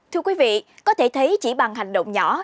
thưa quý vị có thể thấy chỉ bằng hành động nhỏ